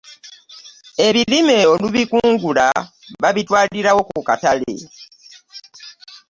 Ebirime olubikungula babitwalirawo ku katale.